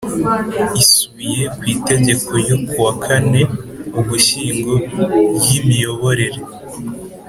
Isubiye ku Itegeko ryo ku wa kane Ugushyingo ryimiyoborere